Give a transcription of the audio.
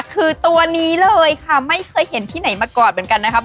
คือตัวนี้เลยค่ะไม่เคยเห็นที่ไหนมาก่อนเหมือนกันนะครับ